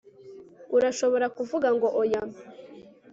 Urashobora kuvuga ngo oya